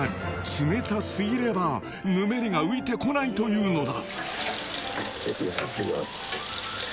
冷たすぎれば「ぬめり」が浮いてこないというのだ